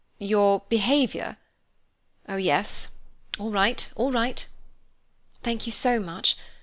"Your behaviour? Oh, yes, all right—all right." "Thank you so much.